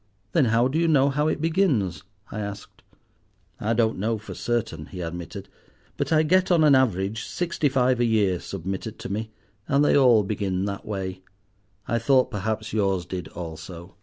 "Then how do you know how it begins?" I asked. "I don't know for certain," he admitted, "but I get, on an average, sixty five a year submitted to me, and they all begin that way. I thought, perhaps, yours did also."